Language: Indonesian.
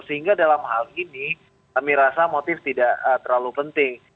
sehingga dalam hal ini kami rasa motif tidak terlalu penting